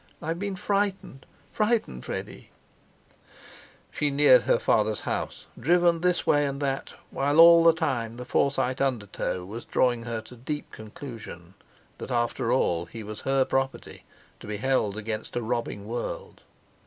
I've been frightened—frightened, Freddie!" She neared her father's house, driven this way and that, while all the time the Forsyte undertow was drawing her to deep conclusion that after all he was her property, to be held against a robbing world.